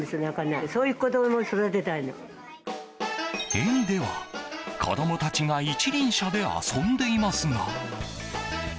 園では子供たちが一輪車で遊んでいますが。